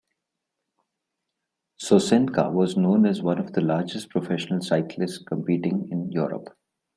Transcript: Sosenka was known as one of the largest professional cyclists competing in Europe.